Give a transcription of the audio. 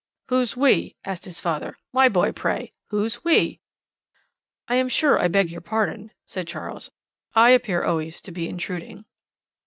"Who's 'we'?" asked his father. "My boy, pray, who's 'we'?" "I am sure I beg your pardon," said Charles. "I appear always to be intruding."